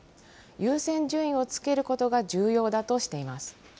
優先順位をつけることが重要だとしています。